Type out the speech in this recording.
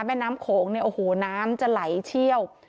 แม่น้ำโขงเนี่ยโอ้โหน้ำจะไหลเชี่ยว